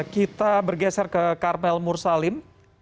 kita bergeser ke karmel mursalim